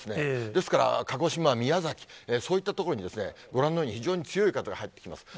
ですから、鹿児島、宮崎、そういった所に、ご覧のように非常に強い風が入ってきます。